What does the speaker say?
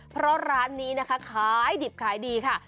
เพราะร้านนี้นะคะขายดิบขายดีค่ะ